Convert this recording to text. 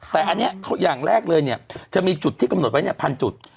แต่อันนี้อย่างแรกเลยเนี่ยจะมีจุดที่กำหนดไว้๑๐๐จุด